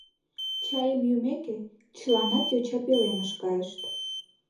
Чайым йӱмеке, чыланат йоча пӧлемыш кайышт.